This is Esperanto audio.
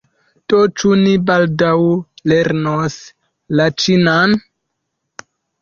Do ĉu ni baldaŭ lernos la ĉinan?